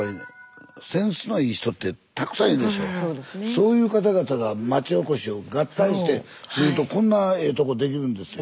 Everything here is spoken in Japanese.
そういう方々が町おこしを合体してするとこんなええとこ出来るんですよ。